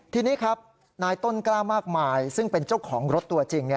ทีนี้ครับนายต้นกล้ามากมายซึ่งเป็นเจ้าของรถตัวจริง